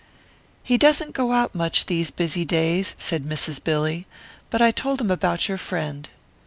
"He doesn't go out much, these busy days," said Mrs. Billy. "But I told him about your friend."